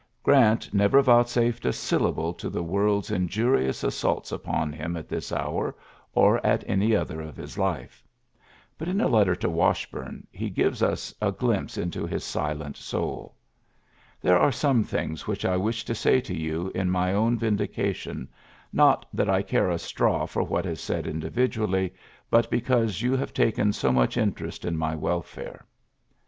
mt never vouchsafed a syllable to the pld's injurious assaults upon him at s hour or at any other of his life, b in a letter to Washbume he gives a glimpse into his silent soul, ^ere are some things which I wish say to you in my own vindication, i that I care a straw for what is said ividually, but because you have en so much interest in my welfare.'